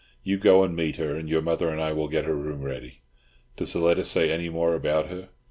You go and meet her, and your mother and I will get her room ready. Does the letter say any more about her?"